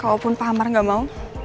kalaupun pak amar nggak mau